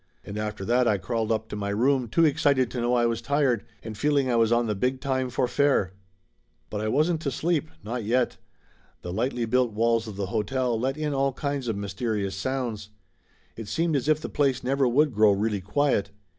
And after that I crawled up to my room too excited to know I was tired, and feeling I was on the big time for fair ! But I wasn't to sleep, not yet. The lightly built walls of the hotel let in all kinds of mysterious sounds. It seemed as if the place never would grow really quiet.